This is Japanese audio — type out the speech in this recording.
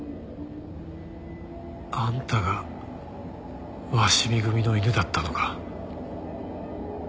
あんたが鷲見組の犬だったのか？